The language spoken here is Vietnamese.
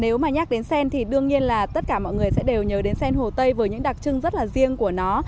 nếu mà nhắc đến sen thì đương nhiên là tất cả mọi người sẽ đều nhớ đến sen hồ tây với những đặc trưng rất là riêng của nó